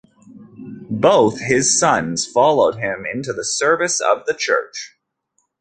Both of his sons followed him into the service of the church.